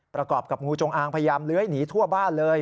ประกอบกับงูจงอางพยายามเลื้อยหนีทั่วบ้านเลย